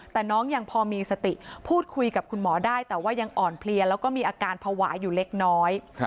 แต่น้องยังพอมีสติพูดคุยกับคุณหมอได้แต่ว่ายังอ่อนเพลียแล้วก็มีอาการภาวะอยู่เล็กน้อย